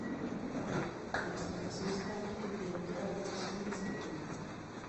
La situació és tal que el director acaba sent destituït.